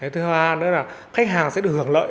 thứ hai nữa là khách hàng sẽ được hưởng lợi